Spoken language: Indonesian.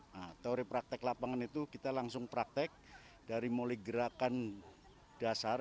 nah teori praktek lapangan itu kita langsung praktek dari mulai gerakan dasar